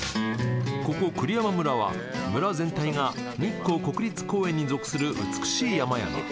栗山村は村全体が日光国立公園に属する美しい山々。